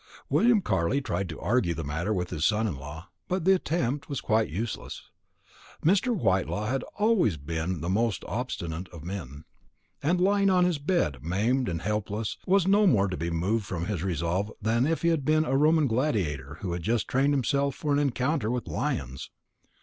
William Carley tried to argue the matter with his son in law; but the attempt was quite useless. Mr. Whitelaw had always been the most obstinate of men and lying on his bed, maimed and helpless, was no more to be moved from his resolve than if he had been a Roman gladiator who had just trained himself for an encounter with lions.